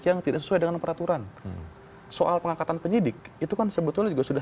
yang tidak sesuai dengan peraturan soal pengangkatan penyidik itu kan sebetulnya juga sudah